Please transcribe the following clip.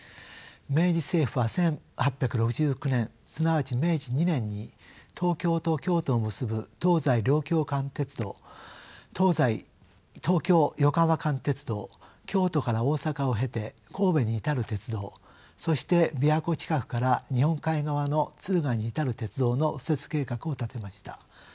明治政府は１８６９年すなわち明治２年に東京と京都を結ぶ東西両京間鉄道東京横浜間鉄道京都から大阪を経て神戸に至る鉄道そして琵琶湖近くから日本海側の敦賀に至る鉄道の敷設計画を立てました。